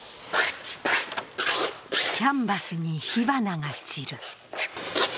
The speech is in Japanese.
キャンバスに火花が散る。